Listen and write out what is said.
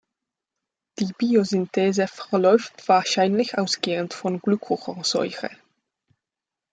Die Biosynthese verläuft wahrscheinlich ausgehend von -Glucuronsäure.